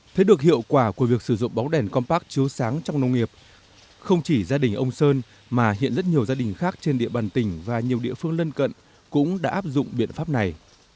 thấy được hiệu quả của việc sử dụng bóng đèn compact chiếu sáng trong nông nghiệp không chỉ gia đình ông sơn mà hiện rất nhiều gia đình khác trên địa bàn tỉnh và nhiều địa phương lân cận cũng đã áp dụng biện pháp này